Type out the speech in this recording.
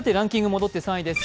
戻って３位です。